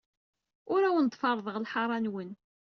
Ur awen-d-ferrḍeɣ lḥaṛa-nwen.